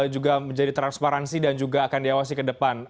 juga menjadi transparansi dan juga akan diawasi ke depan